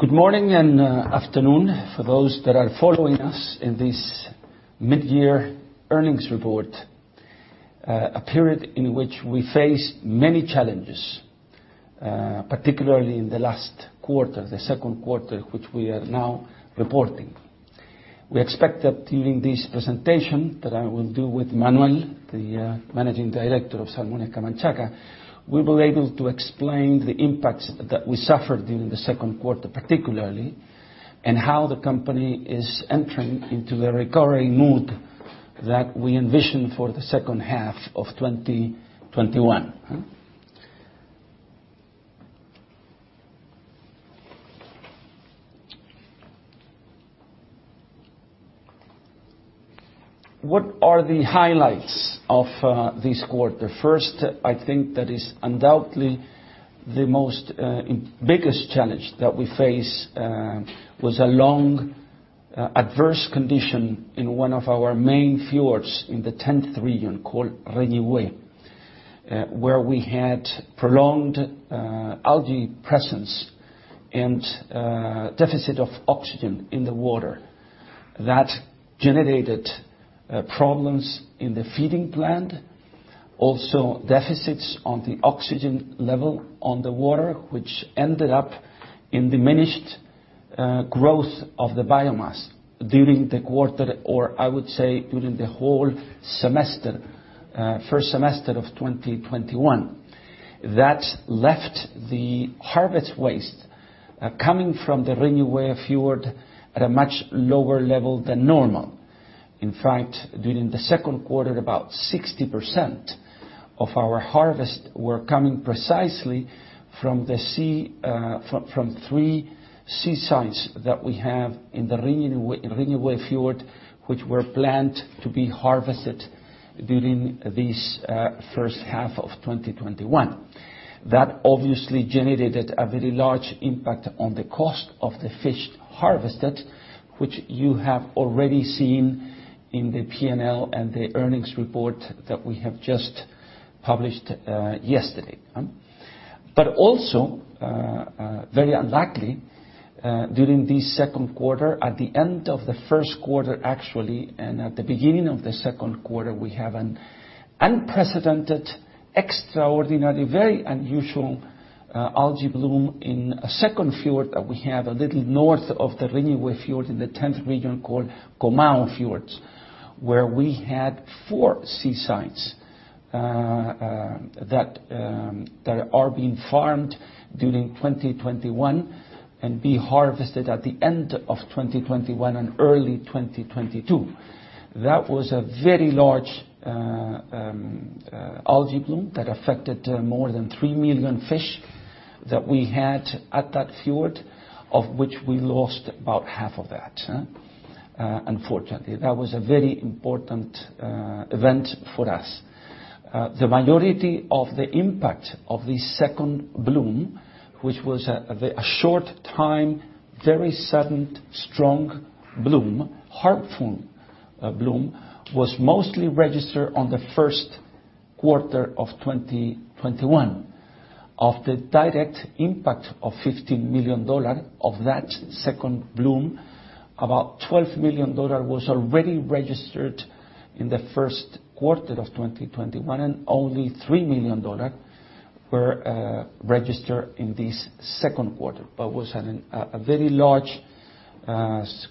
Good morning and afternoon for those that are following us in this mid-year earnings report, a period in which we face many challenges, particularly in the last quarter, the second quarter, which we are now reporting. We expect that during this presentation that I will do with Manuel, the Managing Director of Salmones Camanchaca, we will be able to explain the impacts that we suffered during the second quarter, particularly, and how the company is entering into a recovery mode that we envision for the second half of 2021. What are the highlights of this quarter? First, I think that is undoubtedly the most biggest challenge that we face was a long adverse condition in one of our main fjords in the 10th region, called Reloncaví, where we had prolonged algae presence and deficit of oxygen in the water. That generated problems in the feeding plant, also deficits on the oxygen level on the water, which ended up in diminished growth of the biomass during the quarter, or I would say, during the whole first semester of 2021. That left the harvest waste coming from the Reloncaví Fjord at a much lower level than normal. In fact, during the second quarter, about 60% of our harvest were coming precisely from three sea sites that we have in the Reloncaví Fjord, which were planned to be harvested during this first half of 2021. That obviously generated a very large impact on the cost of the fish harvested, which you have already seen in the P&L and the earnings report that we have just published yesterday. Also, very unlikely, during this second quarter, at the end of the first quarter, actually, and at the beginning of the second quarter, we have an unprecedented, extraordinary, very unusual algae bloom in a second fjord that we have a little north of the Reloncaví Fjord in the 10th region called Comau fjords, where we had four sea sites that are being farmed during 2021 and be harvested at the end of 2021 and early 2022. That was a very large algae bloom that affected more than 3 million fish that we had at that fjord, of which we lost about half of that, unfortunately. That was a very important event for us. The majority of the impact of this second bloom, which was a short time, very sudden, strong bloom, harmful bloom, was mostly registered on the first quarter of 2021. Of the direct impact of $15 million of that second bloom, about $12 million was already registered in the first quarter of 2021, and only $3 million were registered in this second quarter. Was a very large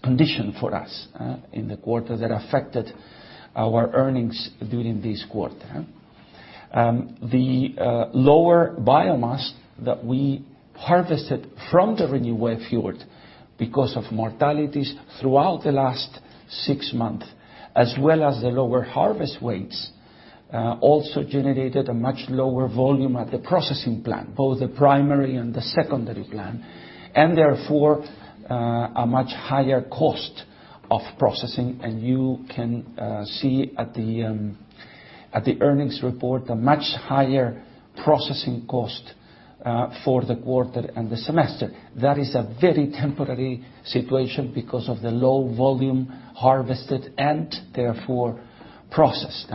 condition for us in the quarter that affected our earnings during this quarter. The lower biomass that we harvested from the Reloncaví Fjord because of mortalities throughout the last six months, as well as the lower harvest weights, also generated a much lower volume at the processing plant, both the primary and the secondary plant, and therefore, a much higher cost of processing. You can see at the earnings report a much higher processing cost for the quarter and the semester. That is a very temporary situation because of the low volume harvested and therefore processed.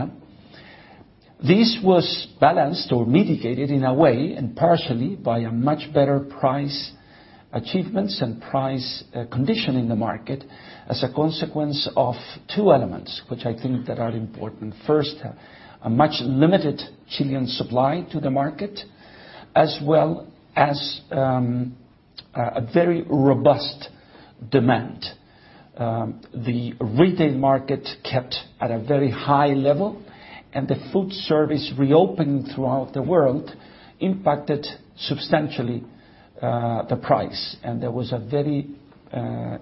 This was balanced or mitigated in a way and partially by a much better price achievements and price condition in the market as a consequence of two elements, which I think that are important. First, a much limited Chilean supply to the market, as well as a very robust demand. The retail market kept at a very high level, and the food service reopening throughout the world impacted substantially the price. There was a very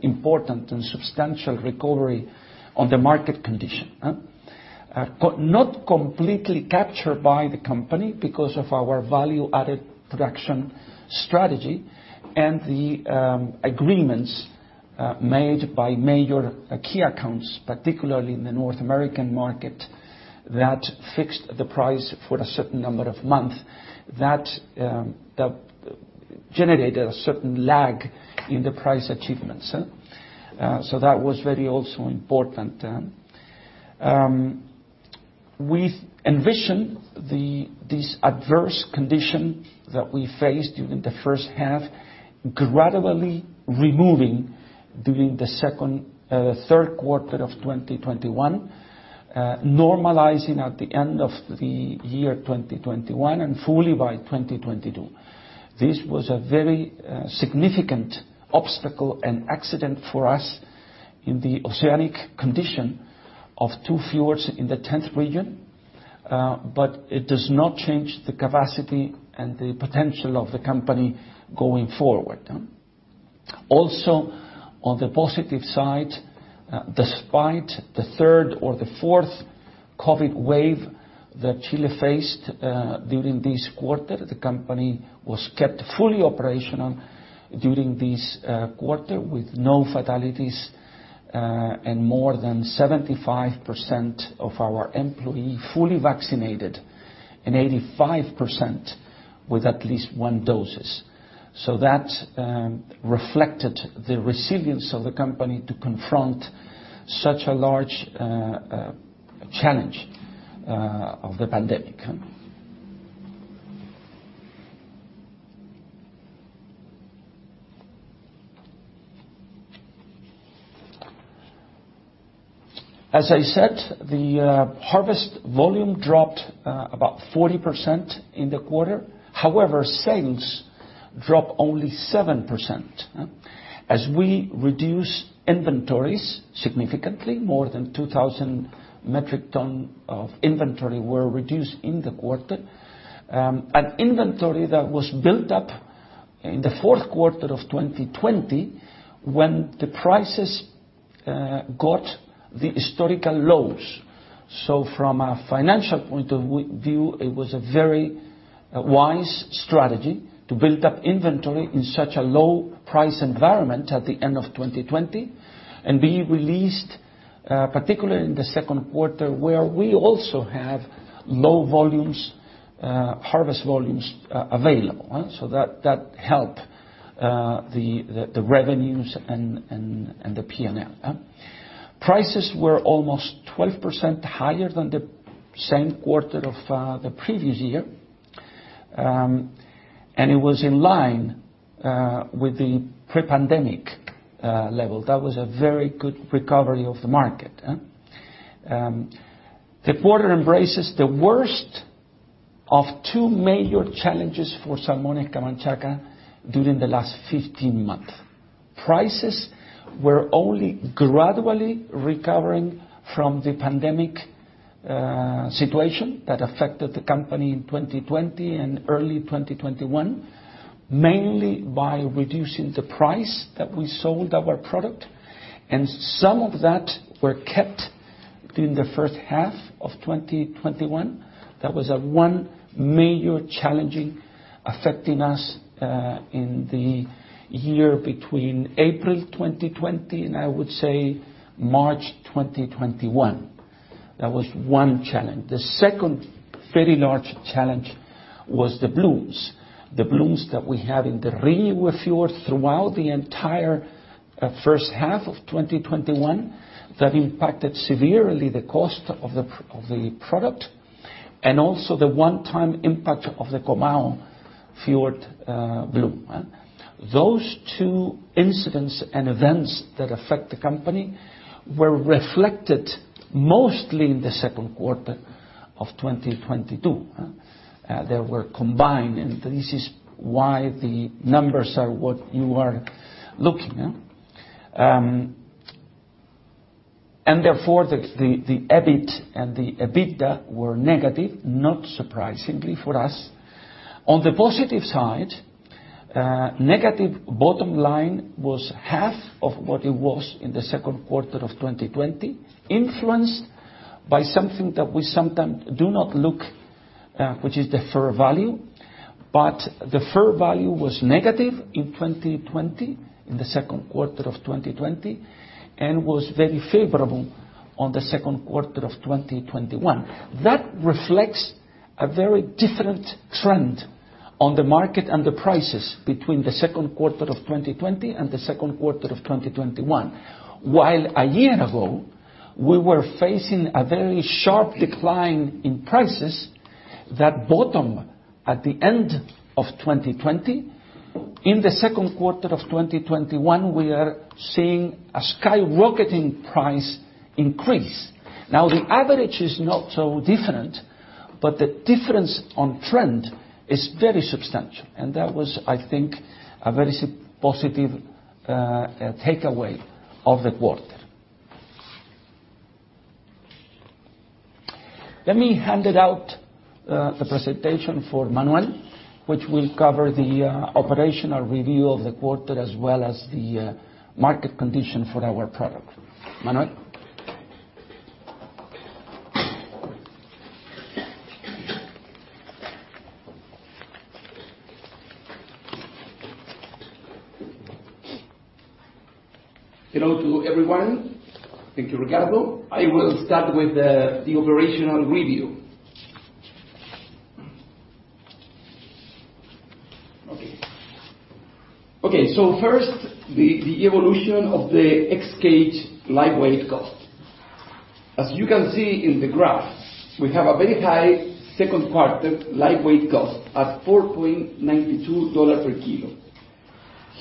important and substantial recovery on the market condition. Not completely captured by the company because of our value-added production strategy and the agreements made by major key accounts, particularly in the North American market, that fixed the price for a certain number of month. That generated a certain lag in the price achievements. That was very also important. We envision this adverse condition that we faced during the first half gradually removing during the third quarter of 2021, normalizing at the end of the year 2021, and fully by 2022. This was a very significant obstacle and accident for us in the oceanic condition of two fjords in the 10th Region, but it does not change the capacity and the potential of the company going forward. On the positive side, despite the third or the fourth COVID wave that Chile faced during this quarter, the company was kept fully operational during this quarter with no fatalities and more than 75% of our employee fully vaccinated and 85% with at least one doses. That reflected the resilience of the company to confront such a large challenge of the pandemic. As I said, the harvest volume dropped about 40% in the quarter. However, sales dropped only 7%. As we reduce inventories significantly, more than 2,000 metric tons of inventory were reduced in the quarter, an inventory that was built up in the fourth quarter of 2020 when the prices got the historical lows. From a financial point of view, it was a very wise strategy to build up inventory in such a low price environment at the end of 2020 and be released, particularly in the second quarter, where we also have low harvest volumes available. That helped the revenues and the P&L. Prices were almost 12% higher than the same quarter of the previous year, and it was in line with the pre-pandemic level. That was a very good recovery of the market. The quarter embraces the worst of two major challenges for Salmones Camanchaca during the last 15 months. Prices were only gradually recovering from the pandemic situation that affected the company in 2020 and early 2021, mainly by reducing the price that we sold our product, and some of that were kept during the first half of 2021. That was a one major challenge affecting us in the year between April 2020 and, I would say, March 2021. That was one challenge. The second very large challenge was the blooms. The blooms that we had in the Reloncaví Fjord throughout the entire first half of 2021. That impacted severely the cost of the product and also the one-time impact of the Comau Fjord bloom. Those two incidents and events that affect the company were reflected mostly in the second quarter of 2022. They were combined, this is why the numbers are what you are looking. Therefore, the EBIT and the EBITDA were negative, not surprisingly for us. On the positive side, negative bottom line was half of what it was in the second quarter of 2020, influenced by something that we sometimes do not look, which is the fair value. The fair value was negative in 2020, in the second quarter of 2020, and was very favorable on the second quarter of 2021. That reflects a very different trend on the market and the prices between the second quarter of 2020 and the second quarter of 2021. While a year ago, we were facing a very sharp decline in prices that bottom at the end of 2020, in the second quarter of 2021, we are seeing a skyrocketing price increase. The average is not so different, but the difference on trend is very substantial, and that was, I think, a very positive takeaway of the quarter. Let me hand it out, the presentation for Manuel, which will cover the operational review of the quarter as well as the market condition for our product. Manuel? Hello to everyone. Thank you, Ricardo. I will start with the operational review. Okay. First, the evolution of the ex-cage live weight cost. As you can see in the graph, we have a very high second quarter live weight cost at $4.92 per kilo,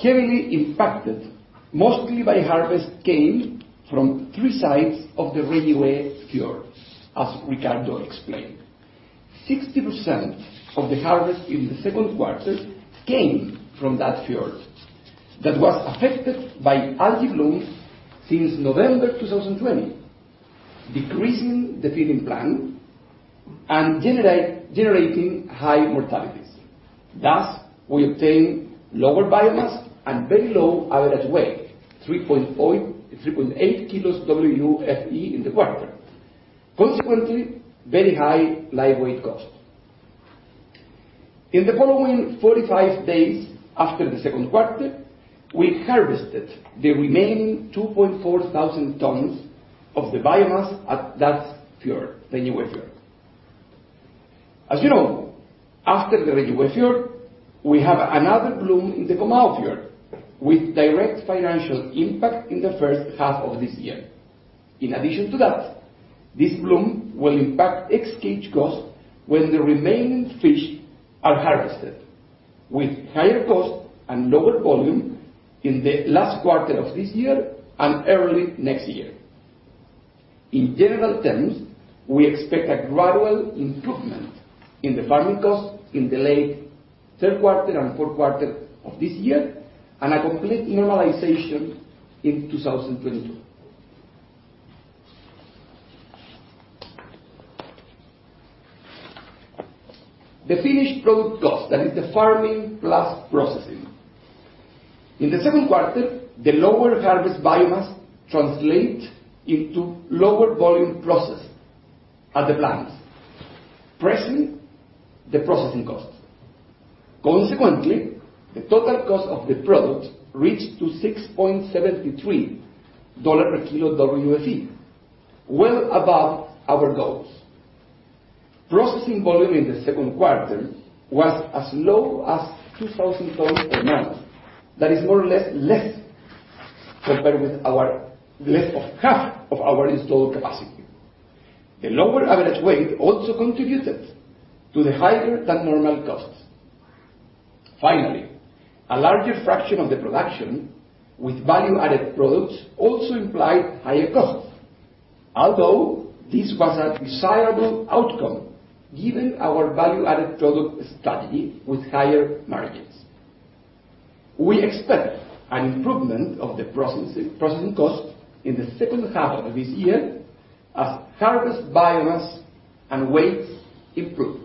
heavily impacted mostly by harvest came from three sites of the Reloncaví Fjord, as Ricardo explained. 60% of the harvest in the second quarter came from that fjord that was affected by algae blooms since November 2020, decreasing the feeding plan and generating high mortalities. Thus, we obtain lower biomass and very low average weight, 3.8 kilos WFE in the quarter. Consequently, very high live weight cost. In the following 45 days after the second quarter, we harvested the remaining 2,400 tons of the biomass at that fjord, the Reloncaví Fjord. As you know, after the Reloncaví Fjord, we have another bloom in the Comau fjord, with direct financial impact in the first half of this year. In addition to that, this bloom will impact ex-cage cost when the remaining fish are harvested, with higher cost and lower volume in the last quarter of this year and early next year. In general terms, we expect a gradual improvement in the farming cost in the late third quarter and fourth quarter of this year, and a complete normalization in 2022. The finished product cost, that is the farming plus processing. In the second quarter, the lower harvest biomass translates into lower volume processed at the plants, pressing the processing cost. Consequently, the total cost of the product reached to $6.73 per kilo WFE, well above our goals. Processing volume in the second quarter was as low as 2,000 tons per annum. That is more or less compared with our less of half of our installed capacity. The lower average weight also contributed to the higher than normal costs. Finally, a larger fraction of the production with value-added products also implied higher costs, although this was a desirable outcome given our value-added product strategy with higher margins. We expect an improvement of the processing cost in the second half of this year, as harvest biomass and weights improve.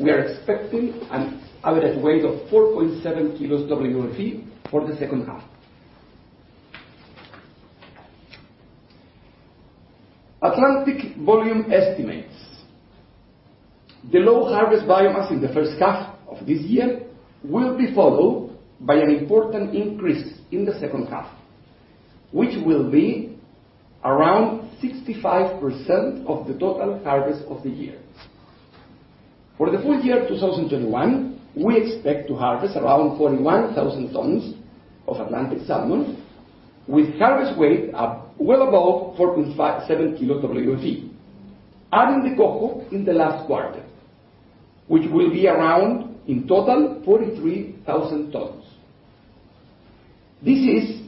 We are expecting an average weight of 4.7 kilos WFE for the second half. Atlantic volume estimates. The low harvest biomass in the first half of this year will be followed by an important increase in the second half, which will be around 65% of the total harvest of the year. For the full-year 2021, we expect to harvest around 41,000 tons of Atlantic salmon, with harvest weight up well above 4.7 kilos WFE, adding the Coho in the last quarter, which will be around, in total, 43,000 tons. This is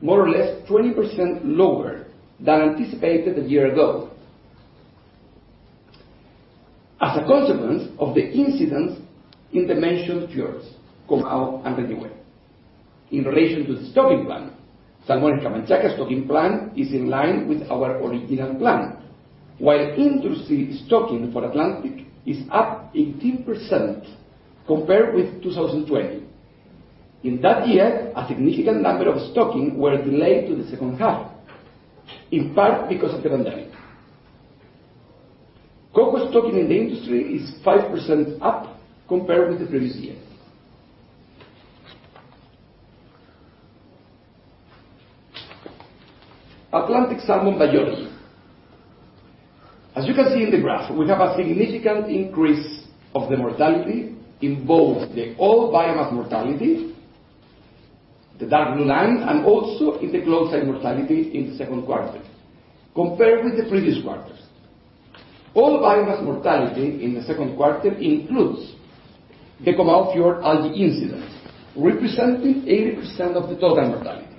more or less 20% lower than anticipated a year ago. As a consequence of the incidents in the mentioned fjords, Comau and Reloncaví Fjord. In relation to the stocking plan, Salmones Camanchaca stocking plan is in line with our original plan, while into-sea stocking for Atlantic is up 18% compared with 2020. In that year, a significant number of stocking were delayed to the second half, in part because of the pandemic. Coho stocking in the industry is 5% up compared with the previous year. Atlantic salmon biology. As you can see in the graph, we have a significant increase of the mortality in both the all biomass mortality, the dark blue line, and also in the closed site mortality in the second quarter, compared with the previous quarters. All biomass mortality in the second quarter includes the Comau fjord algae incident, representing 80% of the total mortality,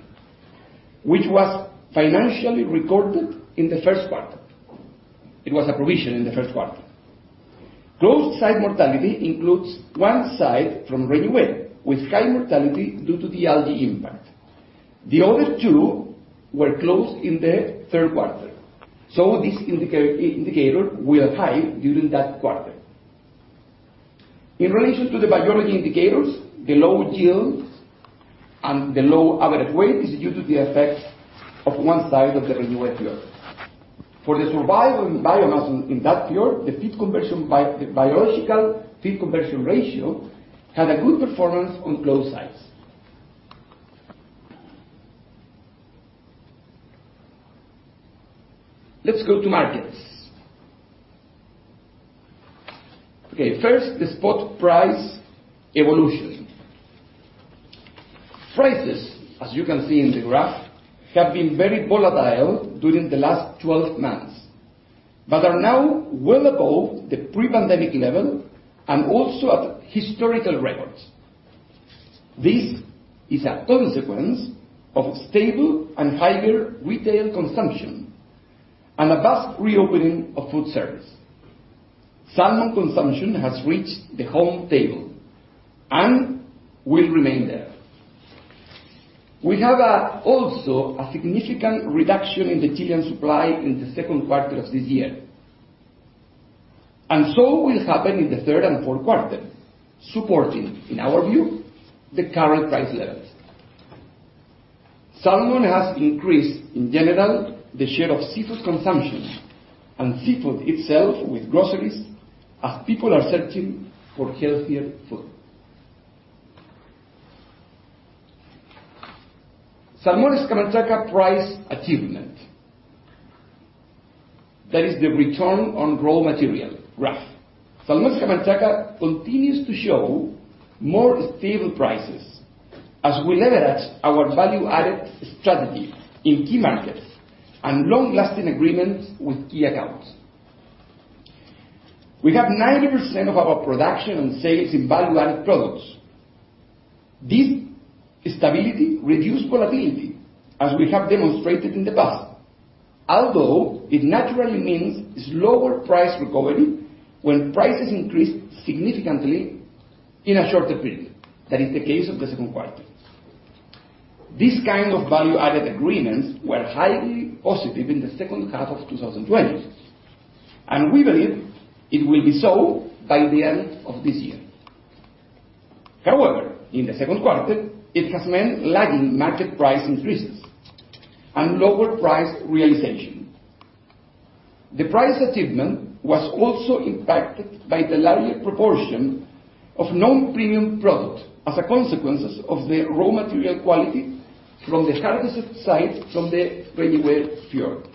which was financially recorded in the first quarter. It was a provision in the first quarter. Closed side mortality includes one side from Reloncaví, with high mortality due to the algae impact. The other two were closed in the third quarter. This indicator will hide during that quarter. In relation to the biology indicators, the low yields and the low average weight is due to the effect of one side of the Reloncaví Fjord. For the survival and biomass in that fjord, the biological feed conversion ratio had a good performance on closed sites. Let's go to markets. Okay, first, the spot price evolution. Prices, as you can see in the graph, have been very volatile during the last 12 months, but are now well above the pre-pandemic level and also at historical records. This is a consequence of stable and higher retail consumption and a vast reopening of food service. Salmon consumption has reached the home table and will remain there. We have also a significant reduction in the Chilean supply in the second quarter of this year, and so will happen in the third and fourth quarter, supporting, in our view, the current price levels. Salmon has increased, in general, the share of seafood consumption and seafood itself with groceries, as people are searching for healthier food. Salmones Camanchaca price achievement. That is the return on raw material graph. Salmones Camanchaca continues to show more stable prices as we leverage our value-added strategy in key markets and long-lasting agreements with key accounts. We have 90% of our production and sales in value-added products. This stability reduced volatility, as we have demonstrated in the past, although it naturally means slower price recovery when prices increase significantly in a shorter period. That is the case of the second quarter. This kind of value-added agreements were highly positive in the second half of 2020, and we believe it will be so by the end of this year. However, in the second quarter, it has meant lagging market price increases and lower price realization. The price achievement was also impacted by the larger proportion of non-premium product as a consequence of the raw material quality from the harvested site from the Reloncaví Fjord.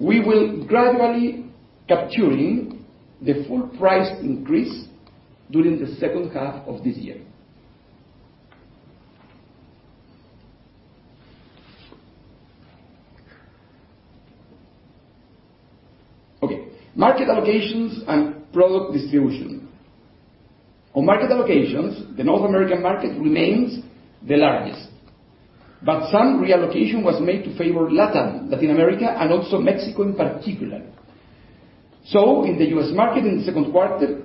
We will gradually capturing the full price increase during the second half of this year. Market allocations and product distribution. On market allocations, the North American market remains the largest, but some reallocation was made to favor LATAM, Latin America, and also Mexico in particular. In the U.S. market, in the second quarter,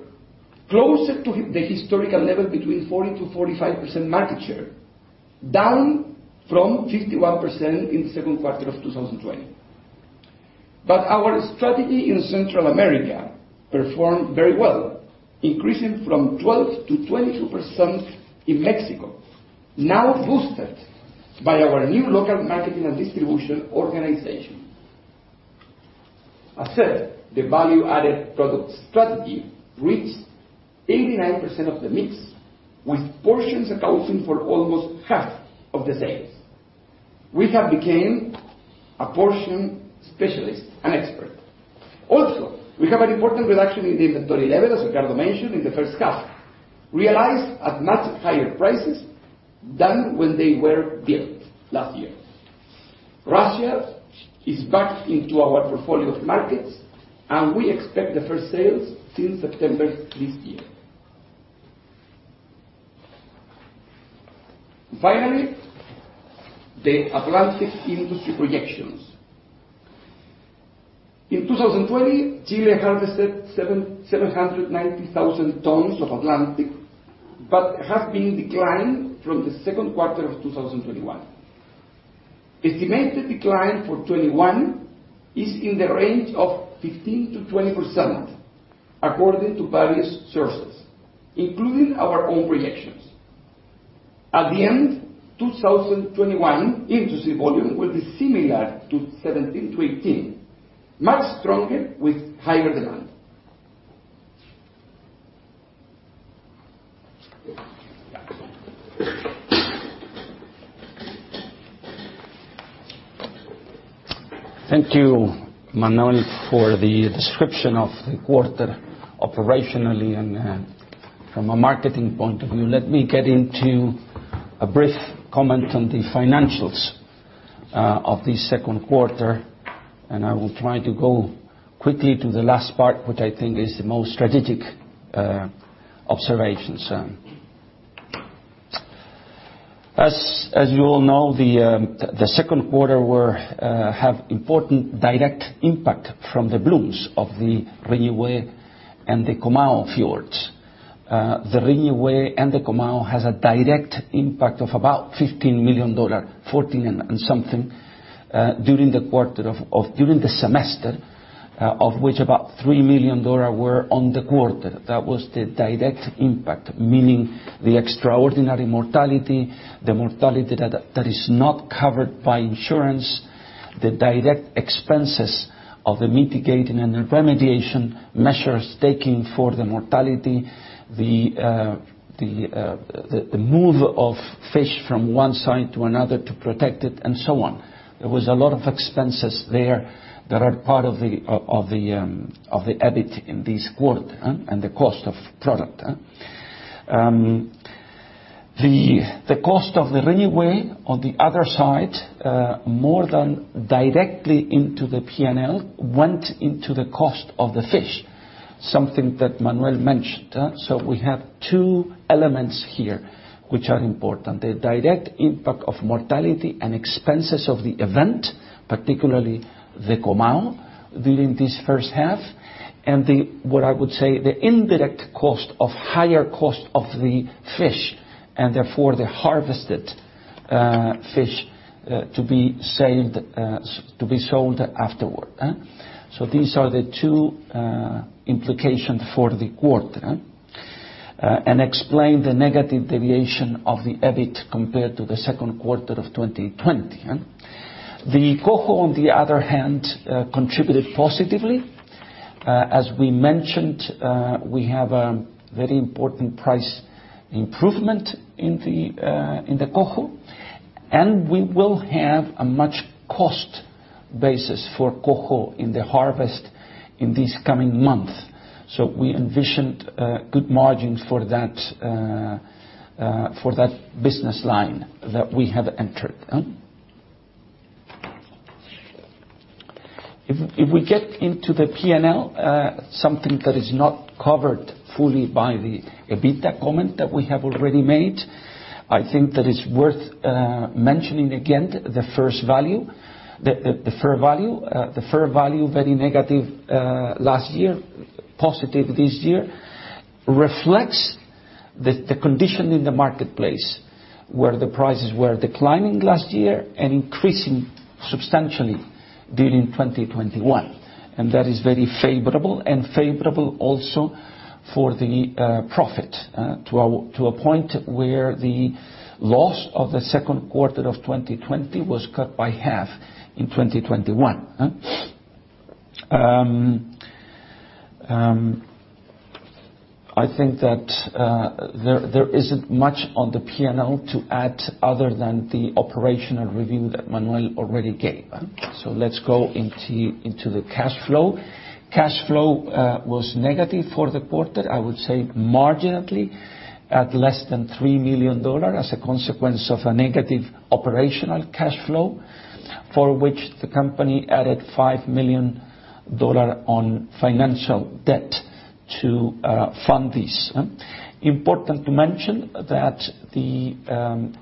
closer to the historical level between 40%-45% market share, down from 51% in the second quarter of 2020. Our strategy in Central America performed very well, increasing from 12%-22% in Mexico, now boosted by our new local marketing and distribution organization. As said, the value-added product strategy reached 89% of the mix, with portions accounting for almost half of the sales. We have became a portion specialist and expert. We have an important reduction in the inventory level, as Ricardo mentioned, in the first half, realized at much higher prices than when they were built last year. Russia is back into our portfolio of markets, and we expect the first sales since September this year. The Atlantic industry projections. In 2020, Chile harvested 790,000 tons of Atlantic, but has been declined from the second quarter of 2021. Estimated decline for 2021 is in the range of 15%-20%, according to various sources, including our own projections. At the end, 2021 industry volume will be similar to 2017-2018, much stronger with higher demand. Thank you, Manuel, for the description of the quarter operationally and from a marketing point of view. Let me get into a brief comment on the financials of the second quarter, and I will try to go quickly to the last part, what I think is the most strategic observations. As you all know, the second quarter have important direct impact from the blooms of the Reloncaví and the Comau fjords. The Reloncaví and the Comau has a direct impact of about $15 million, 14 and something, during the semester, of which about $3 million were on the quarter. That was the direct impact, meaning the extraordinary mortality, the mortality that is not covered by insurance, the direct expenses of the mitigating and the remediation measures taking for the mortality, the move of fish from one site to another to protect it, and so on. There was a lot of expenses there that are part of the EBIT in this quarter and the cost of product. The cost of the Reloncaví, on the other side, more than directly into the P&L, went into the cost of the fish. Something that Manuel mentioned. We have two elements here which are important. The direct impact of mortality and expenses of the event, particularly the Comau during this first half, and the, what I would say, the indirect cost of higher cost of the fish, and therefore, the harvested fish to be sold afterward. These are the two implication for the quarter and explain the negative deviation of the EBIT compared to the second quarter of 2020. The Coho, on the other hand, contributed positively. As we mentioned, we have a very important price improvement in the Coho, we will have a much cost basis for Coho in the harvest in this coming month. We envisioned good margins for that business line that we have entered. If we get into the P&L, something that is not covered fully by the EBITDA comment that we have already made, I think that it's worth mentioning again the fair value. The fair value, very negative last year, positive this year, reflects the condition in the marketplace, where the prices were declining last year and increasing substantially during 2021. That is very favorable, and favorable also for the profit to a point where the loss of the second quarter of 2020 was cut by half in 2021. I think that there isn't much on the P&L to add other than the operational review that Manuel already gave. Let's go into the cash flow. Cash flow was negative for the quarter, I would say marginally, at less than $3 million as a consequence of a negative operational cash flow, for which the company added $5 million on financial debt to fund this. Important to mention that the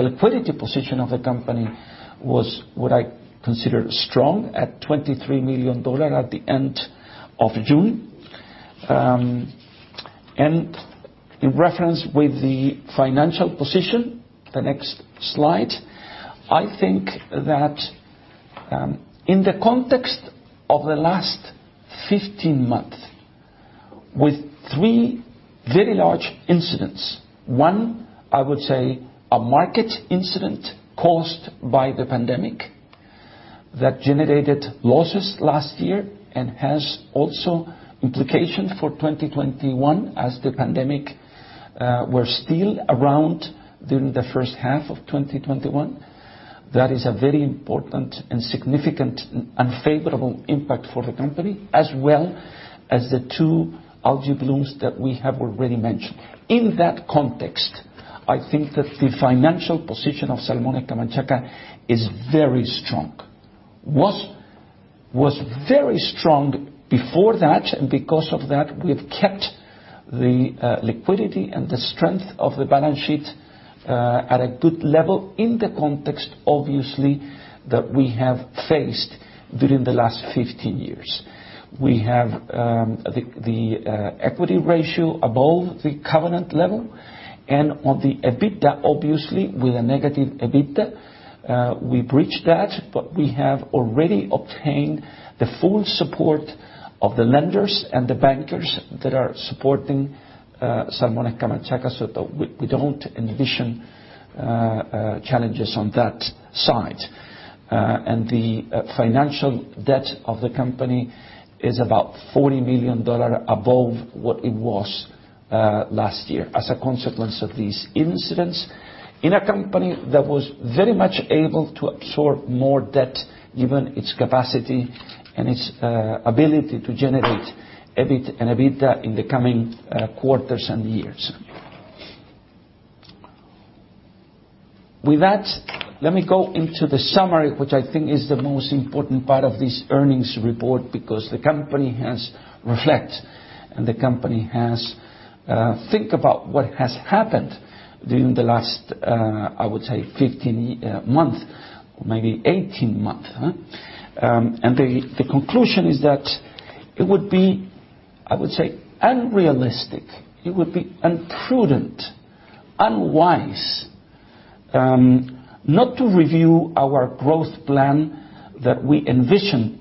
liquidity position of the company was what I consider strong, at $23 million at the end of June. In reference with the financial position, the next slide, I think that in the context of the last 15 months, with three very large incidents, one, I would say a market incident caused by the pandemic that generated losses last year and has also implication for 2021 as the pandemic was still around during the first half of 2021. That is a very important and significant unfavorable impact for the company, as well as the two algal blooms that we have already mentioned. In that context, I think that the financial position of Salmones Camanchaca is very strong, was very strong before that. Because of that, we've kept the liquidity and the strength of the balance sheet at a good level in the context, obviously, that we have faced during the last 15 years. We have the equity ratio above the covenant level. On the EBITDA, obviously, with a negative EBITDA, we breached that. We have already obtained the full support of the lenders and the bankers that are supporting Salmones Camanchaca. We don't envision challenges on that side. The financial debt of the company is about $40 million above what it was last year as a consequence of these incidents in a company that was very much able to absorb more debt, given its capacity and its ability to generate EBIT and EBITDA in the coming quarters and years. With that, let me go into the summary, which I think is the most important part of this earnings report, because the company has reflect and the company has think about what has happened during the last, I would say, 15 month, maybe 18 month. The conclusion is that it would be, I would say, unrealistic, it would be imprudent, unwise not to review our growth plan that we envisioned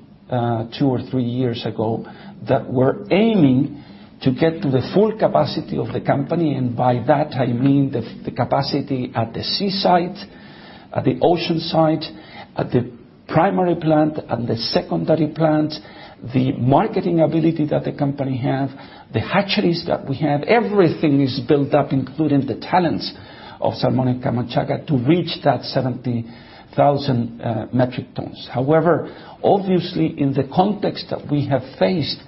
two or three years ago, that we're aiming to get to the full capacity of the company. By that, I mean the capacity at the seaside, at the ocean site, at the primary plant and the secondary plant, the marketing ability that the company have, the hatcheries that we have, everything is built up, including the talents of Salmones Camanchaca, to reach that 70,000 metric tons. Obviously, in the context that we have faced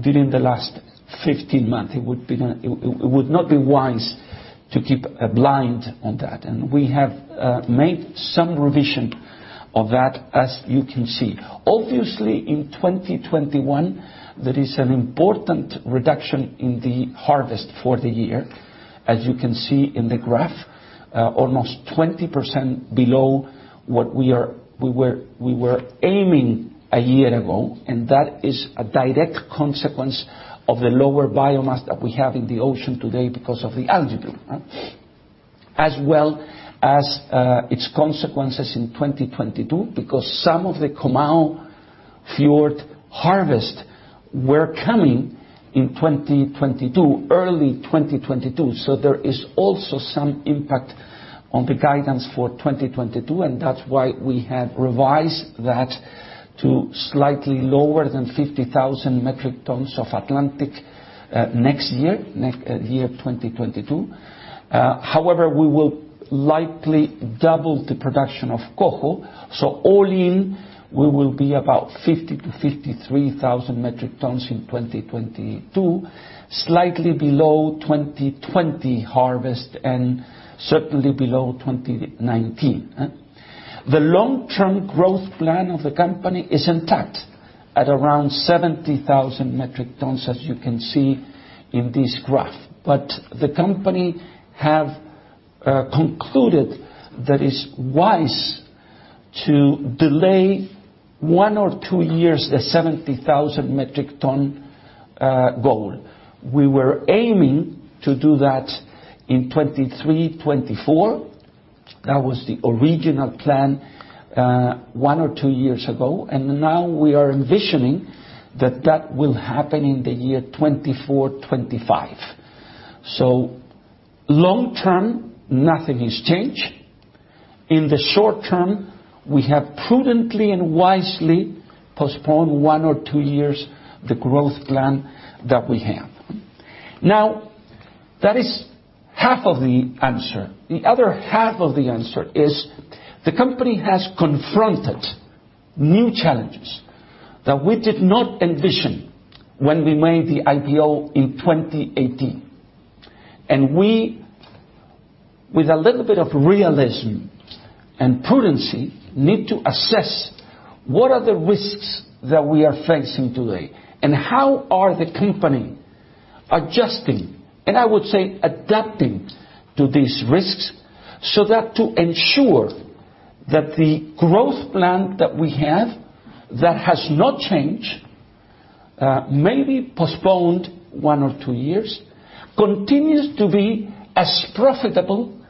during the last 15 months, it would not be wise to keep blind on that. We have made some revision of that, as you can see. Obviously, in 2021, there is an important reduction in the harvest for the year. As you can see in the graph, almost 20% below what we were aiming a year ago. That is a direct consequence of the lower biomass that we have in the ocean today because of the algae bloom. As well as its consequences in 2022, because some of the Comau Fjord harvest were coming in early 2022. There is also some impact on the guidance for 2022, and that's why we have revised that to slightly lower than 50,000 metric tons of Atlantic next year 2022. However, we will likely double the production of Coho. All in, we will be about 50,000 to 53,000 metric tons in 2022, slightly below 2020 harvest, and certainly below 2019. The long-term growth plan of the company is intact at around 70,000 metric tons, as you can see in this graph. The company have concluded that is wise to delay one or two years the 70,000 metric ton goal. We were aiming to do that in 2023, 2024. That was the original plan one or two years ago. Now we are envisioning that that will happen in the year 2024, 2025. Long-term, nothing has changed. In the short-term, we have prudently and wisely postponed one or two years the growth plan that we have. Now, that is half of the answer. The other half of the answer is the company has confronted new challenges that we did not envision when we made the IPO in 2018. We, with a little bit of realism and prudency, need to assess what are the risks that we are facing today, and how are the company adjusting, and I would say, adapting to these risks so that to ensure that the growth plan that we have, that has not changed, maybe postponed one or two years, continues to be as profitable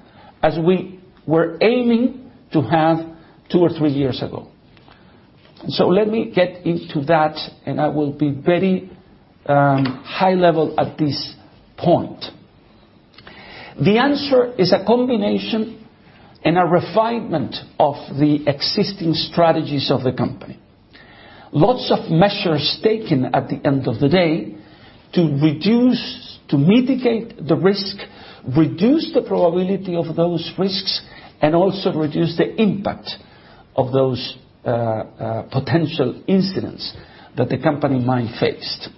as we were aiming to have two or three years ago. Let me get into that, and I will be very high level at this point. The answer is a combination and a refinement of the existing strategies of the company. Lots of measures taken at the end of the day to mitigate the risk, reduce the probability of those risks, and also reduce the impact of those potential incidents that the company might face.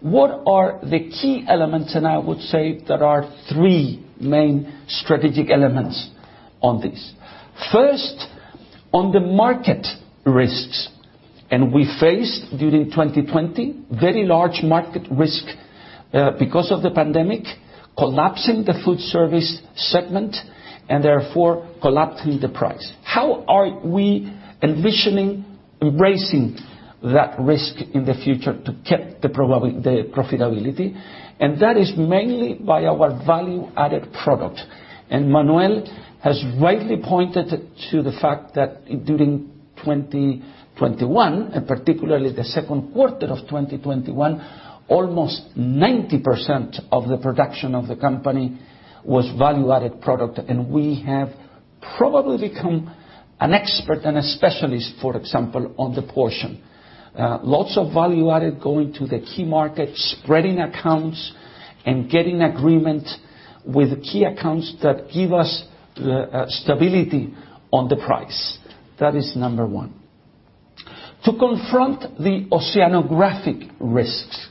What are the key elements? I would say there are three main strategic elements on this. First, on the market risks, we faced, during 2020, very large market risk because of the pandemic collapsing the food service segment, and therefore collapsing the price. How are we envisioning embracing that risk in the future to keep the profitability? That is mainly by our value-added product. Manuel has rightly pointed to the fact that during 2021, and particularly the Q2 of 2021, almost 90% of the production of the company was value-added product, and we have probably become an expert and a specialist, for example, on the portion. Lots of value-added going to the key markets, spreading accounts, and getting agreement with key accounts that give us stability on the price. That is number one. To confront the oceanographic risks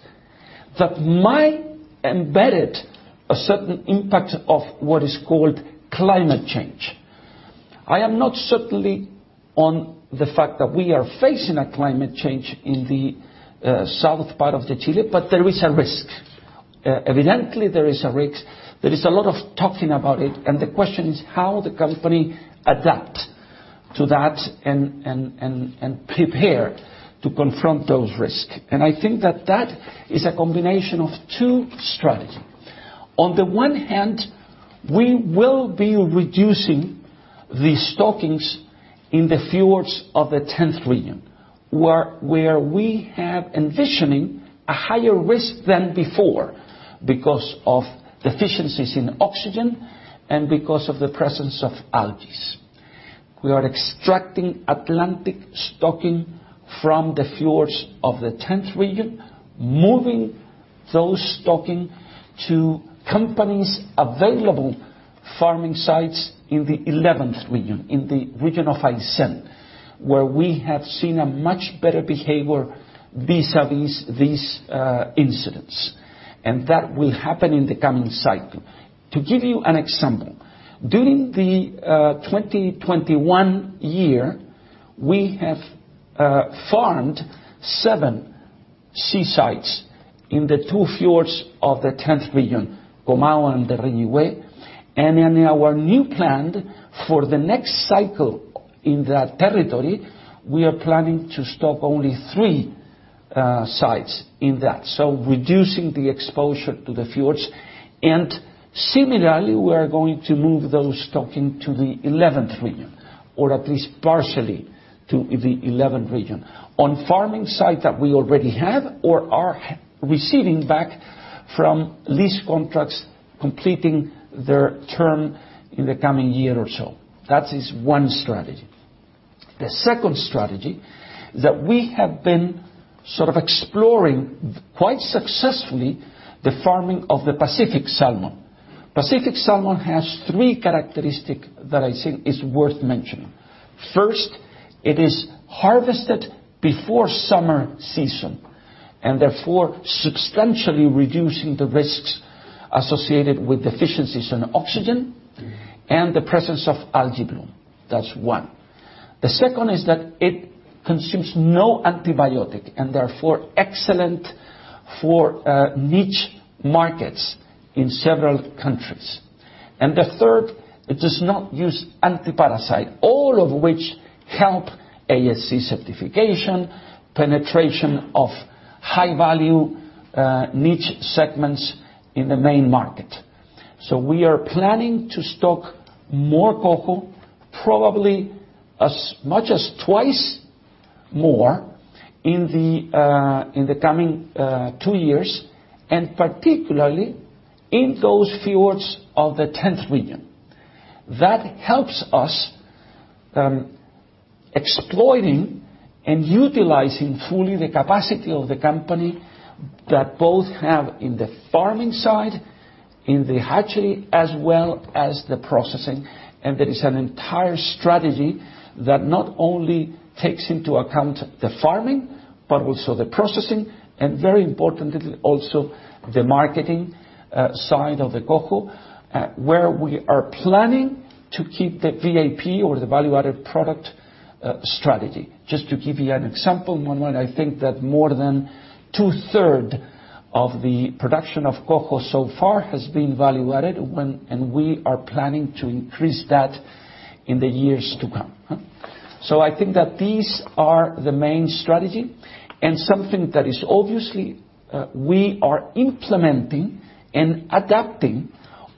that might embed a certain impact of what is called climate change. I am not certainly on the fact that we are facing a climate change in the south part of Chile, but there is a risk. Evidently, there is a risk. There is a lot of talking about it, and the question is how the company adapt to that and prepare to confront those risks. I think that that is a combination of two strategies. On the one hand, we will be reducing the stockings in the fjords of the 10th Region, where we have envisioning a higher risk than before because of deficiencies in oxygen and because of the presence of algae. We are extracting Atlantic stocking from the fjords of the 10th Region, moving those stocking to companies' available farming sites in the 11th Region, in the region of Aysén, where we have seen a much better behavior vis-à-vis these incidents. That will happen in the coming cycle. To give you an example, during the 2021 year, we have farmed seven sea sites in the two fjords of the 10th Region, Comau and Reloncaví. In our new plan for the next cycle in that territory, we are planning to stock only three sites in that. Reducing the exposure to the fjords and similarly, we are going to move those stocking to the 11th Region, or at least partially to the 11th Region, on farming site that we already have or are receiving back from lease contracts completing their term in the coming year or so. That is one strategy. The second strategy that we have been sort of exploring quite successfully, the farming of the Pacific salmon. Pacific salmon has three characteristics that I think is worth mentioning. First, it is harvested before summer season, therefore, substantially reducing the risks associated with deficiencies in oxygen and the presence of algal bloom. That's one. The second is that it consumes no antibiotics, therefore, excellent for niche markets in several countries. The third, it does not use anti-parasites, all of which help ASC certification, penetration of high-value niche segments in the main market. We are planning to stock more Coho, probably as much as twice more in the coming two years, and particularly in those fjords of the Tenth Region. That helps us exploiting and utilizing fully the capacity of the company that both have in the farming side, in the hatchery, as well as the processing. There is an entire strategy that not only takes into account the farming, but also the processing, and very importantly, also the marketing side of the Coho, where we are planning to keep the VAP or the value-added product strategy. Just to give you an example, Manuel, I think that more than 2/3 of the production of Coho so far has been value-added, and we are planning to increase that in the years to come. I think that these are the main strategy and something that is obviously we are implementing and adapting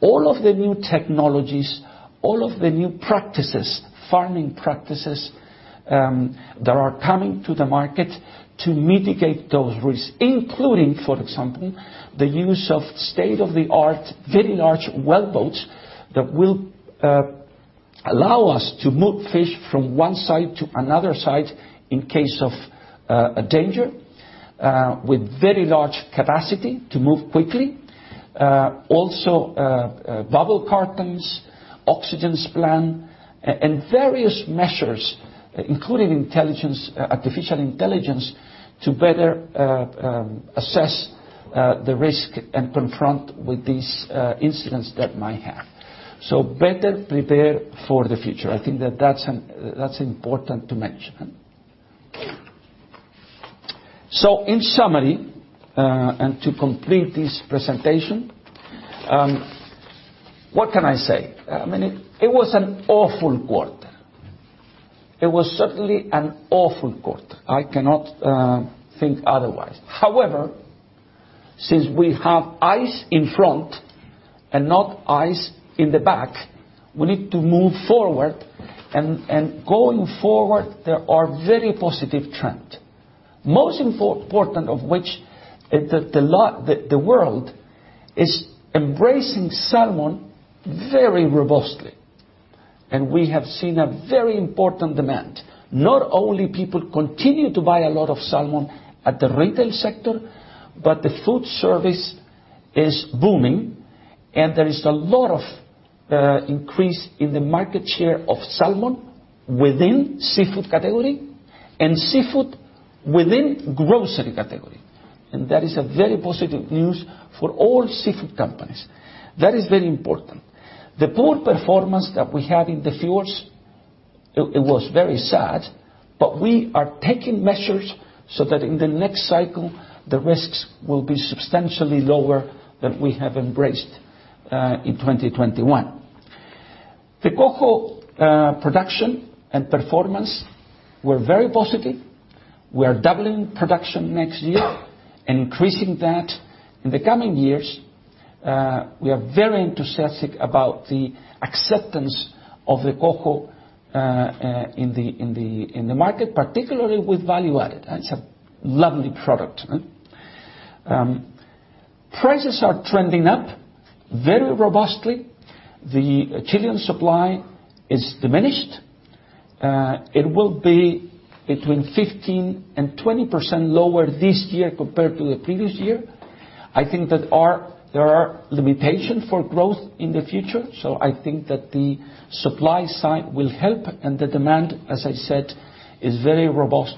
all of the new technologies, all of the new practices, farming practices that are coming to the market to mitigate those risks, including, for example, the use of state-of-the-art, very large well boats that will allow us to move fish from one site to another site in case of a danger with very large capacity to move quickly. Also bubble curtains, oxygen plant, and various measures, including artificial intelligence to better assess the risk and confront with these incidents that might have. Better prepare for the future. I think that's important to mention. In summary and to complete this presentation, what can I say? I mean, it was an awful quarter. It was certainly an awful quarter. I cannot think otherwise. However, since we have eyes in front and not eyes in the back, we need to move forward, going forward, there are very positive trend. Most important of which is that the world is embracing salmon very robustly, we have seen a very important demand. Not only people continue to buy a lot of salmon at the retail sector, but the food service is booming, there is a lot of increase in the market share of salmon within seafood category and seafood within grocery category. That is a very positive news for all seafood companies. That is very important. The poor performance that we had in the fjords, it was very sad, we are taking measures so that in the next cycle, the risks will be substantially lower than we have embraced in 2021. The Coho production and performance were very positive. We are doubling production next year, increasing that in the coming years. We are very enthusiastic about the acceptance of the Coho in the market, particularly with value-added. It's a lovely product. Prices are trending up very robustly. The Chilean supply is diminished. It will be between 15% and 20% lower this year compared to the previous year. I think that there are limitations for growth in the future, so I think that the supply side will help, and the demand, as I said, is very robust.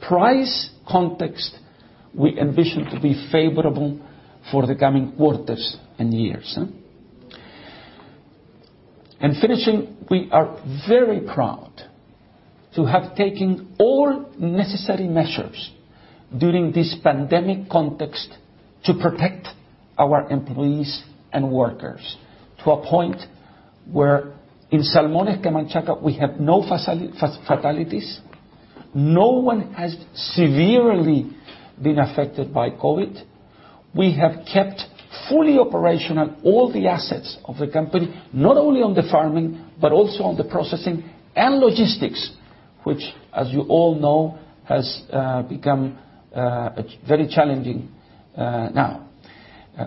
Price context, we envision to be favorable for the coming quarters and years. Finishing, we are very proud to have taken all necessary measures during this pandemic context to protect our employees and workers to a point where, in Salmones Camanchaca, we have no fatalities. No one has severely been affected by COVID. We have kept fully operational all the assets of the company, not only on the farming, but also on the processing and logistics, which, as you all know, has become very challenging now.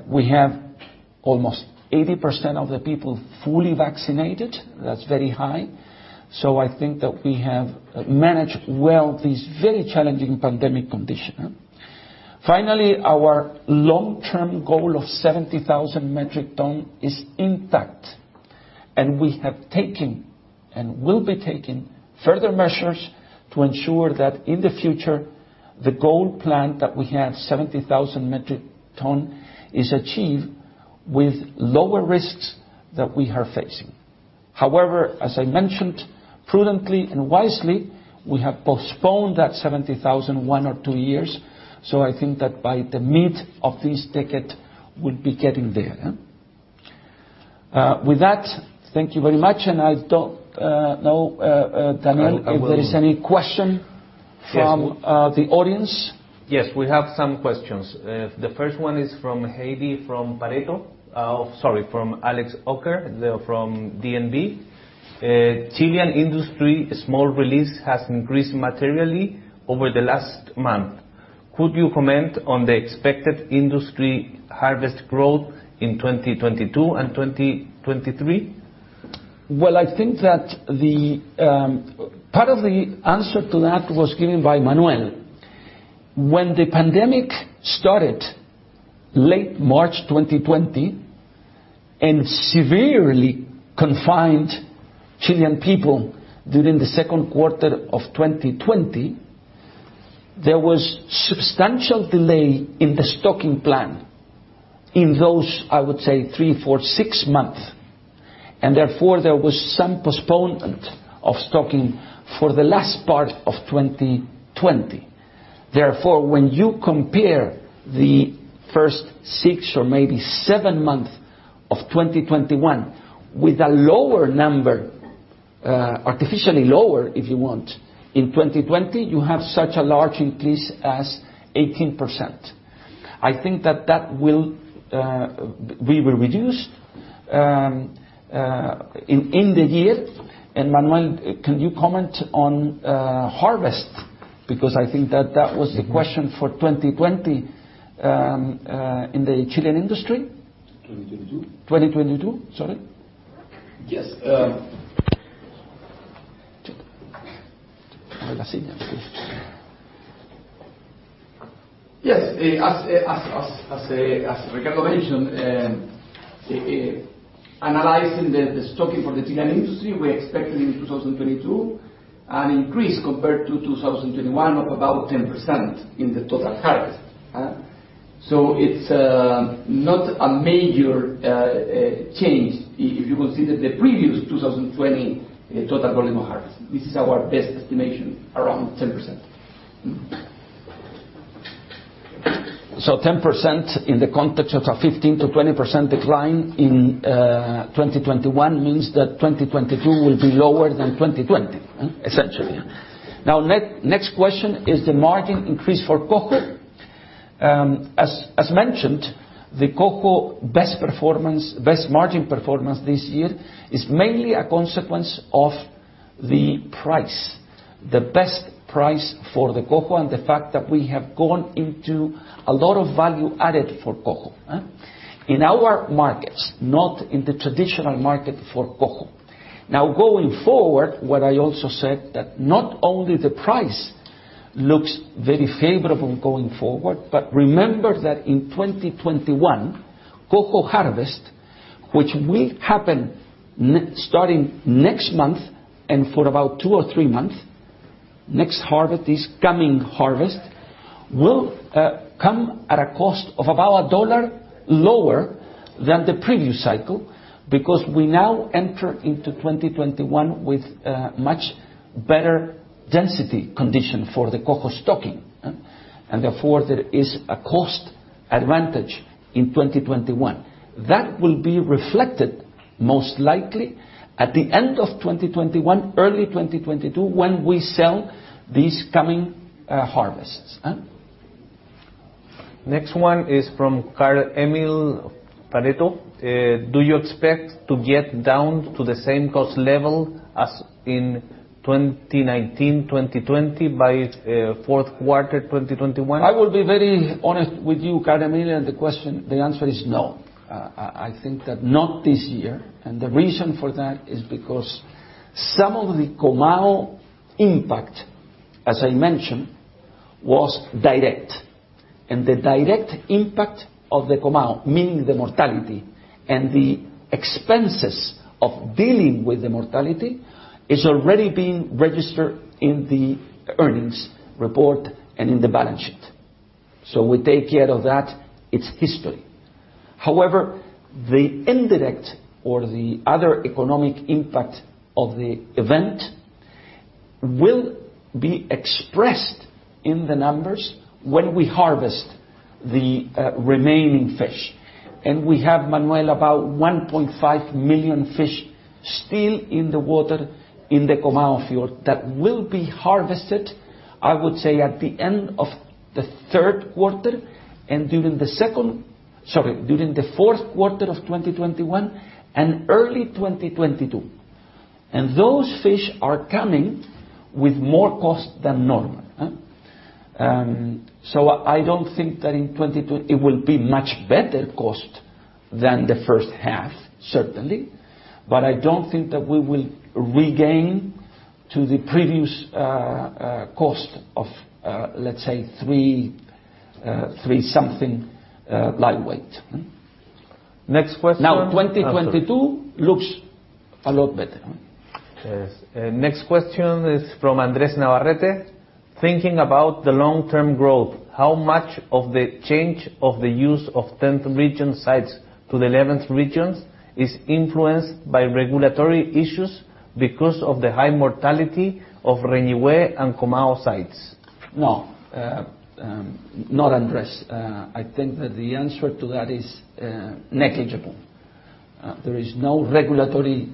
We have almost 80% of the people fully vaccinated. That's very high. I think that we have managed well this very challenging pandemic condition. Finally, our long-term goal of 70,000 metric ton is intact, and we have taken, and will be taking, further measures to ensure that in the future, the goal plan that we had, 70,000 metric ton, is achieved with lower risks that we are facing. However, as I mentioned, prudently and wisely, we have postponed that 70,000 one or two years, so I think that by the mid of this decade, we'll be getting there. With that, thank you very much, and I don't know, Daniel, if there is any question from the audience? Yes, we have some questions. The first one is from Alex Aukner from DNB. Chilean industry smolt release has increased materially over the last month. Could you comment on the expected industry harvest growth in 2022 and 2023? Well, I think that part of the answer to that was given by Manuel. When the pandemic started late March 2020 and severely confined Chilean people during the second quarter of 2020, there was substantial delay in the stocking plan in those, I would say, three, four, six months, and therefore, there was some postponement of stocking for the last part of 2020. When you compare the first six or maybe seven months of 2021 with a lower number, artificially lower, if you want, in 2020, you have such a large increase as 18%. I think that will be reduced in the year. Manuel, can you comment on harvest? Because I think that was the question for 2020 in the Chilean industry. 2022. 2022. Sorry. Yes, as Ricardo mentioned, analyzing the stocking for the Chilean industry, we're expecting in 2022 an increase compared to 2021 of about 10% in the total harvest. It's not a major change if you consider the previous 2020 total volume of harvest. This is our best estimation, around 10%. 10% in the context of a 15%-20% decline in 2021 means that 2022 will be lower than 2020, essentially. Next question, is the margin increase for Coho? As mentioned, the Coho best margin performance this year is mainly a consequence of the price, the best price for the Coho, and the fact that we have gone into a lot of value-added for Coho. In our markets, not in the traditional market for Coho. Going forward, what I also said that not only the price looks very favorable going forward, but remember that in 2021, Coho harvest, which will happen starting next month and for about two or three months, next harvest, this coming harvest, will come at a cost of about $1 lower than the previous cycle, because we now enter into 2021 with a much better density condition for the Coho stocking. Therefore, there is a cost advantage in 2021. That will be reflected, most likely, at the end of 2021, early 2022, when we sell these coming harvests. Next one is from Carl Emil Pareto. Do you expect to get down to the same cost level as in 2019, 2020 by fourth quarter 2021? I will be very honest with you, Carl Emil, the answer is no. I think that not this year, the reason for that is because some of the Comau impact, as I mentioned, was direct, the direct impact of the Comau, meaning the mortality and the expenses of dealing with the mortality, is already being registered in the earnings report and in the balance sheet. We take care of that. It's history. However, the indirect or the other economic impact of the event will be expressed in the numbers when we harvest the remaining fish. We have, Manuel, about 1.5 million fish still in the water in the Comau Fjord that will be harvested, I would say, at the end of the third quarter during the fourth quarter of 2021 and early 2022. Those fish are coming with more cost than normal. I don't think that in 2022 it will be much better cost than the first half, certainly, but I don't think that we will regain to the previous cost of, let's say, $3 something live weight. Next question. 2022 looks a lot better. Yes. Next question is from Andrés Navarrete. Thinking about the long-term growth, how much of the change of the use of 10th region sites to the 11th regions is influenced by regulatory issues because of the high mortality of Reloncaví and Comau sites? No, not Andrés. I think that the answer to that is negligible. There is no regulatory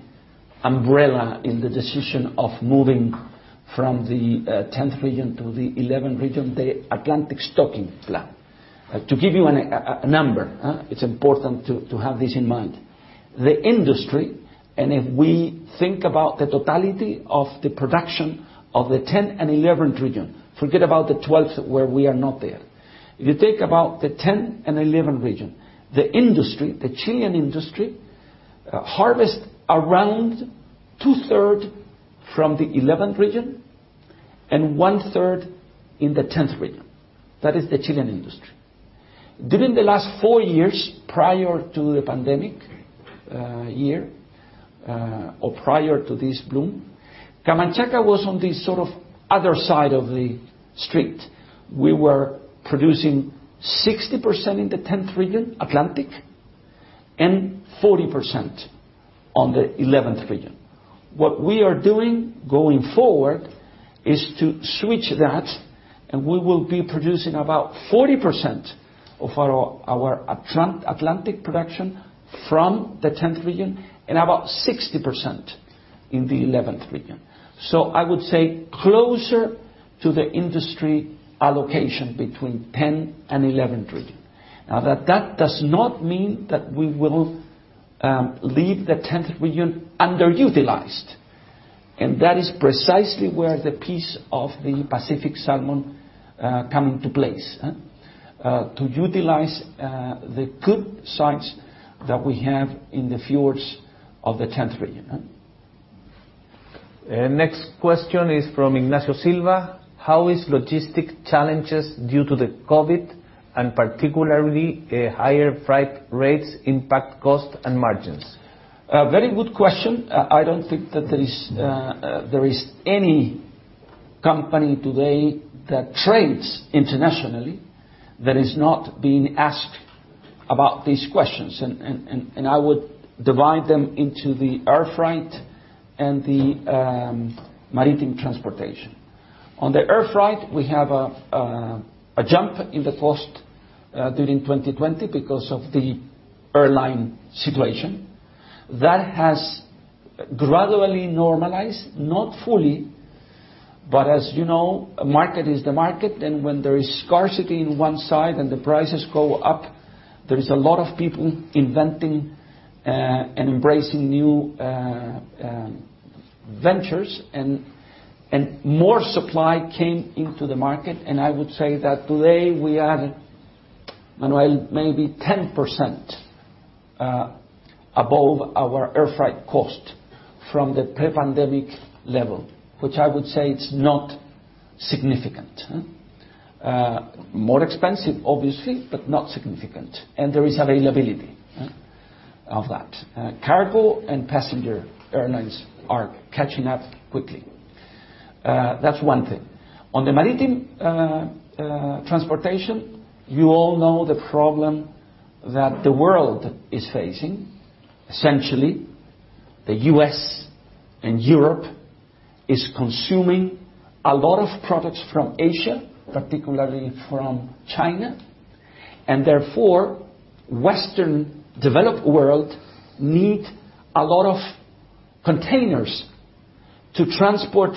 umbrella in the decision of moving from the 10th region to the 11th region, the Atlantic stocking plan. To give you a number, it's important to have this in mind. The industry, if we think about the totality of the production of the 10th and 11th region, forget about the 12th, where we are not there. If you think about the 10th and 11th region, the industry, the Chilean industry, harvests around 2/3 from the 11th region and 1/3 in the 10th region. That is the Chilean industry. During the last four years, prior to the pandemic year, or prior to this bloom, Camanchaca was on the other side of the street. We were producing 60% in the 10th region, Atlantic, and 40% on the 11th region. What we are doing going forward is to switch that, and we will be producing about 40% of our Atlantic production from the 10th region and about 60% in the 11th region. I would say closer to the industry allocation between 10th and 11th region. That does not mean that we will leave the 10th region underutilized, and that is precisely where the piece of the Pacific salmon come into place, to utilize the good sites that we have in the fjords of the 10th region. Next question is from Ignacio Silva. How is logistics challenges due to the COVID, and particularly, higher freight rates impact cost and margins? A very good question. I don't think that there is any company today that trades internationally that is not being asked about these questions, and I would divide them into the air freight and the maritime transportation. On the air freight, we have a jump in the cost during 2020 because of the airline situation. That has gradually normalized, not fully, but as you know, a market is the market, and when there is scarcity in one side and the prices go up, there is a lot of people inventing and embracing new ventures and more supply came into the market. I would say that today we are, Manuel, maybe 10% above our air freight cost from the pre-pandemic level, which I would say it's not significant. More expensive, obviously, but not significant, and there is availability of that. Cargo and passenger airlines are catching up quickly. That's one thing. On the maritime transportation, you all know the problem that the world is facing, essentially. The U.S. and Europe is consuming a lot of products from Asia, particularly from China, and therefore, Western developed world need a lot of containers to transport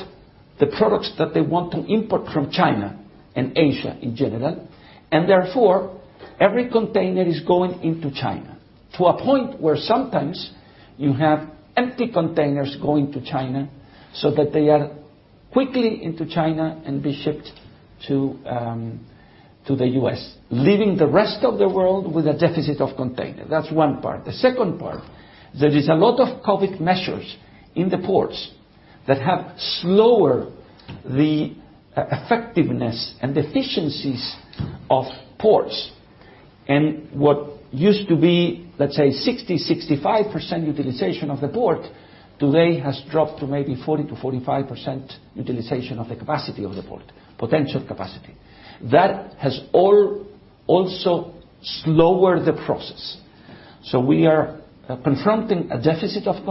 the products that they want to import from China and Asia in general. Therefore, every container is going into China to a point where sometimes you have empty containers going to China so that they are quickly into China and be shipped to the U.S., leaving the rest of the world with a deficit of container. That's one part. The second part, there is a lot of COVID measures in the ports that have slower the effectiveness and efficiencies of ports. What used to be, let's say, 60%-65% utilization of the port, today has dropped to maybe 40%-45% utilization of the capacity of the port, potential capacity. That has also slowed the process. We are confronting a deficit of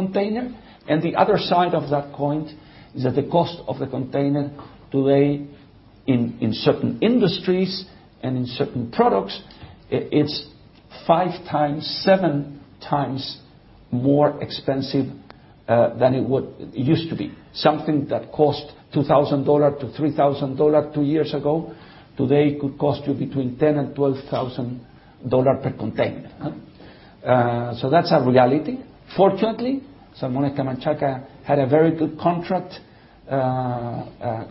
containers. The other side of that coin is that the cost of the container today in certain industries and in certain products, it's 5x, 7xmore expensive than it used to be. Something that cost $2,000-3,000 two years ago, today it could cost you between $10,000 and $12,000 per container. That's a reality. Fortunately, Salmones Camanchaca had a very good contract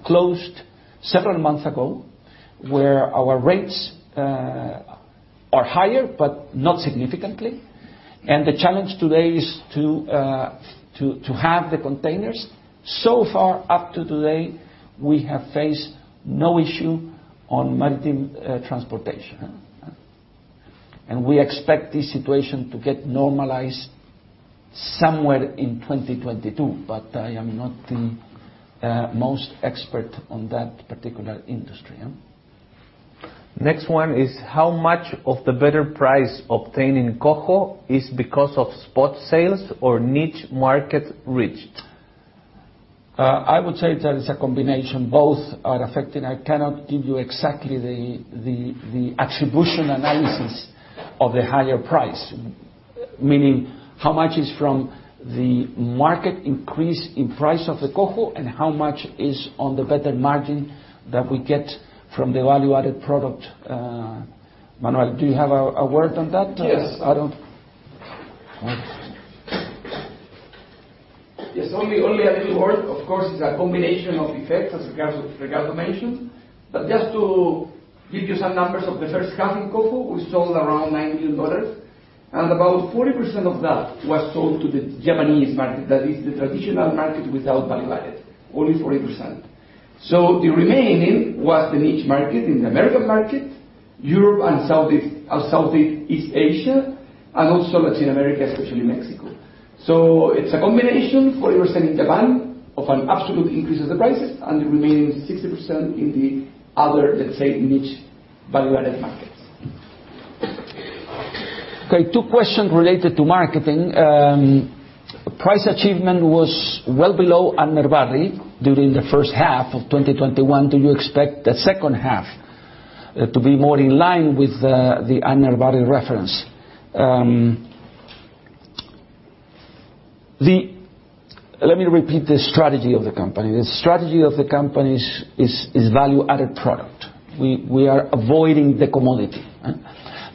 closed several months ago, where our rates are higher but not significantly. The challenge today is to have the containers. So far up to today, we have faced no issue on maritime transportation. We expect this situation to get normalized somewhere in 2022. I am not the most expert on that particular industry. Next one is, how much of the better price obtained in Coho is because of spot sales or niche market reached? I would say that it's a combination. Both are affecting. I cannot give you exactly the attribution analysis of the higher price, meaning how much is from the market increase in price of the Coho and how much is on the better margin that we get from the value-added product. Manuel, do you have a word on that? Yes. I don't. Yes. Only a word. Of course, it's a combination of effects as Ricardo mentioned. Just to give you some numbers of the first half in Coho, we sold around $9 million, and about 40% of that was sold to the Japanese market. That is the traditional market without value-added, only 40%. The remaining was the niche market in the U.S. market, Europe and Southeast Asia, and also LATAM, especially Mexico. It's a combination, 40% in Japan of an absolute increase of the prices, and the remaining 60% in the other, let's say, niche value-added markets. Okay. Two questions related to marketing. Price achievement was well below Urner Barry during the first half of 2021. Do you expect the second half to be more in line with the Urner Barry reference? Let me repeat the strategy of the company. The strategy of the company is value-added product. We are avoiding the commodity.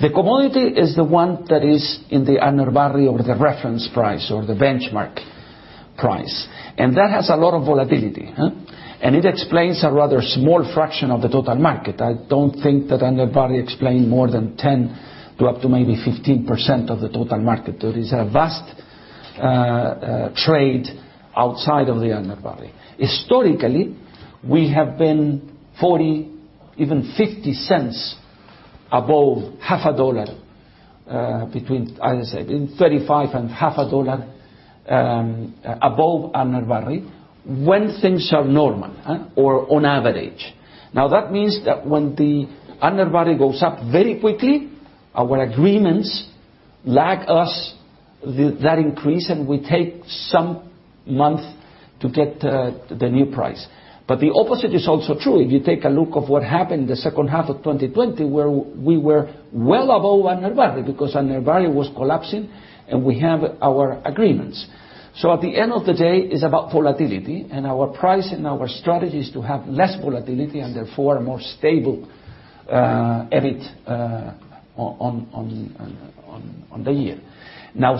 The commodity is the one that is in the Urner Barry or the reference price or the benchmark price. That has a lot of volatility. It explains a rather small fraction of the total market. I don't think that Urner Barry explain more than 10 to up to maybe 15% of the total market. There is a vast trade outside of the Urner Barry. Historically, we have been $0.40, even $0.50 above half a dollar, between, as I said, $0.35 and half a dollar above Urner Barry when things are normal or on average. That means that when the Urner Barry goes up very quickly, our agreements lag us that increase, and we take some month to get the new price. The opposite is also true. If you take a look of what happened the second half of 2020, where we were well above Urner Barry because Urner Barry was collapsing and we have our agreements. At the end of the day, it's about volatility and our price and our strategy is to have less volatility and therefore a more stable EBIT on the year.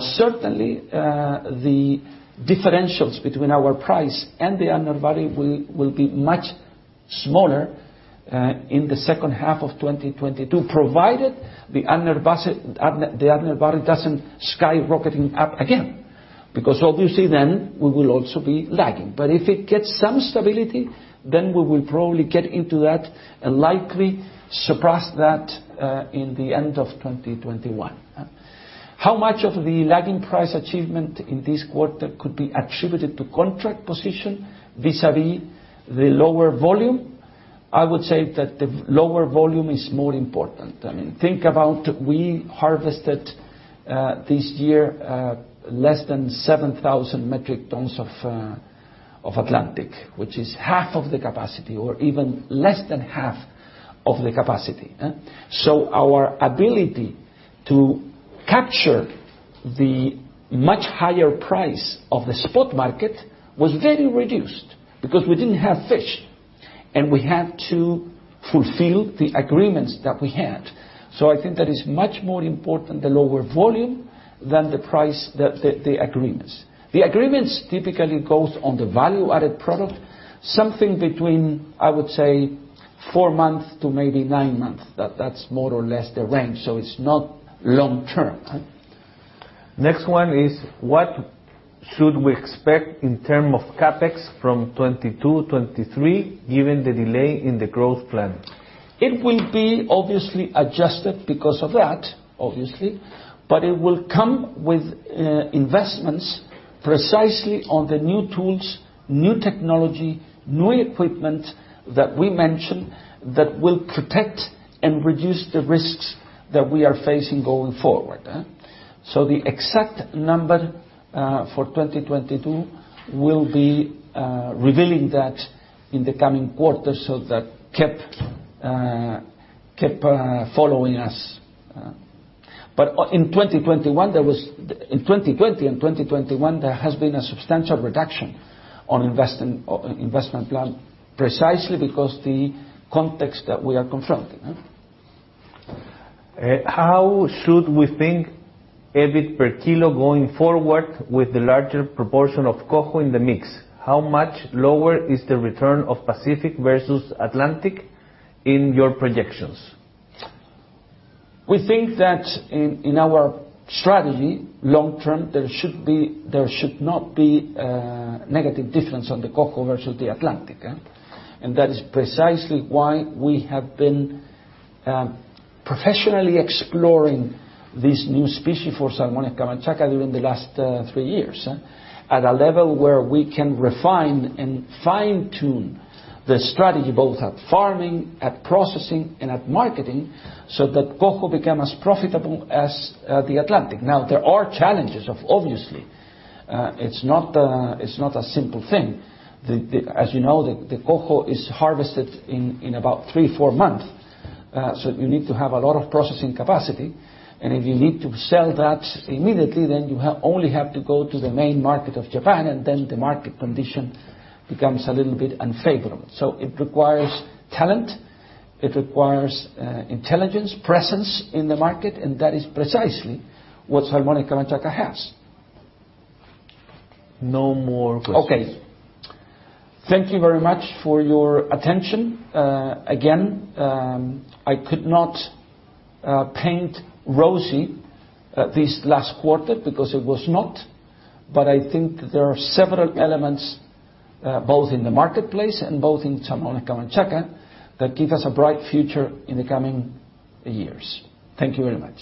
Certainly, the differentials between our price and the Urner Barry will be much smaller, in the second half of 2022, provided the Urner Barry doesn't skyrocketing up again. Obviously then, we will also be lagging. If it gets some stability, then we will probably get into that and likely surpass that in the end of 2021. How much of the lagging price achievement in this quarter could be attributed to contract position vis-à-vis the lower volume? I would say that the lower volume is more important. Think about we harvested this year less than 7,000 metric tons of Atlantic, which is half of the capacity or even less than half of the capacity. Our ability to capture the much higher price of the spot market was very reduced because we didn't have fish, and we had to fulfill the agreements that we had. I think that is much more important, the lower volume than the price, the agreements. The agreements typically goes on the value-added product, something between, I would say four months to maybe nine months. That's more or less the range. It's not long-term. Next one is, what should we expect in terms of CapEx from 2022, 2023, given the delay in the growth plan? It will be obviously adjusted because of that, obviously. It will come with investments precisely on the new tools, new technology, new equipment that we mentioned that will protect and reduce the risks that we are facing going forward. The exact number for 2022, we'll be revealing that in the coming quarters so that keep following us. In 2020 and 2021, there has been a substantial reduction on investment plan, precisely because the context that we are confronting. How should we think EBIT per kilo going forward with the larger proportion of Coho in the mix? How much lower is the return of Pacific versus Atlantic in your projections? We think that in our strategy long-term, there should not be a negative difference on the Coho versus the Atlantic. That is precisely why we have been professionally exploring this new species for Salmones Camanchaca during the last three years at a level where we can refine and fine-tune the strategy, both at farming, at processing, and at marketing, so that Coho become as profitable as the Atlantic. Now, there are challenges, obviously. It's not a simple thing. As you know, the Coho is harvested in about three, four months, so you need to have a lot of processing capacity. If you need to sell that immediately, then you only have to go to the main market of Japan, and then the market condition becomes a little bit unfavorable. It requires talent, it requires intelligence, presence in the market, and that is precisely what Salmones Camanchaca has. No more questions. Okay. Thank you very much for your attention. Again, I could not paint rosy this last quarter because it was not, but I think there are several elements, both in the marketplace and both in Salmones Camanchaca, that give us a bright future in the coming years. Thank you very much.